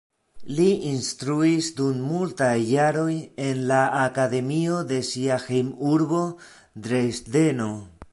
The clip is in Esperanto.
Li instruis dum multaj jaroj en la akademio de sia hejmurbo, Dresdeno.